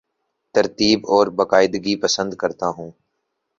ترتیب اور باقاعدگی پسند کرتا ہوں